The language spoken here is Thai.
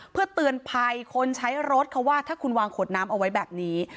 เพื่อเตือนภัยคนใช้รถเขาว่าถ้าคุณวางขวดน้ำเอาไว้แบบนี้